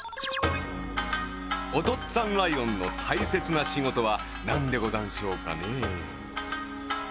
おとっつぁんライオンのたいせつなしごとはなんでござんしょうかねえ。